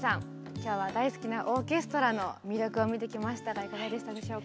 今日は大好きなオーケストラの魅力を見てきましたがいかがでしたでしょうか？